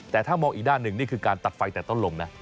แต่ถ้ามองอีกด้านหนึ่งนี่คือการตัดไฟแต่ต้นลมนะ